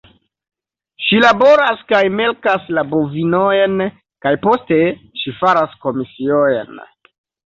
Ŝi laboras kaj melkas la bovinojn, kaj poste ŝi faras komisiojn.